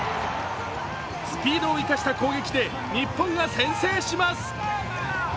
スピードを生かした攻撃で日本が先制します。